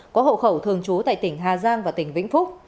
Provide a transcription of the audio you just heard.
có hộ khẩu thường trú tại tỉnh hà giang và tỉnh vĩnh phúc